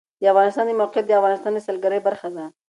د افغانستان د موقعیت د افغانستان د سیلګرۍ برخه ده.